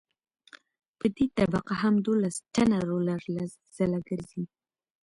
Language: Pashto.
په دې طبقه هم دولس ټنه رولر لس ځله ګرځي